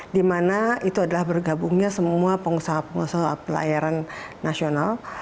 dimana itu adalah bergabungnya semua pengusaha pengusaha pelayaran nasional